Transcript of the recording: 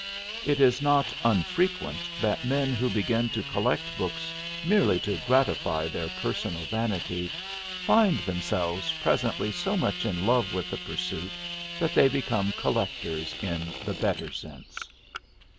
It is not unfrequent that men who begin to collect books merely to gratify their personal vanity find themselves presently so much in love with the pursuit that they become collectors in the better sense.